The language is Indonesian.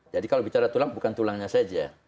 jadi kalau bicara tulang bukan tulangnya saja